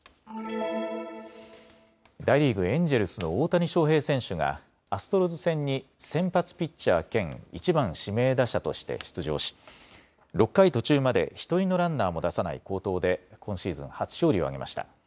大リーグ、エンジェルスの大谷翔平選手がアストロズ戦に先発ピッチャー兼、１番・指名打者として出場し６回途中まで１人のランナーも出さない好投で今シーズン初勝利を挙げました。